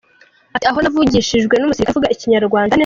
Ati “Aho ho navugishijwe n’umusirikare uvuga Ikinyarwanda neza.